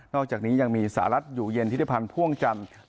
อกจากนี้ยังมีสหรัฐอยู่เย็นธิริพันธ์พ่วงจันทร์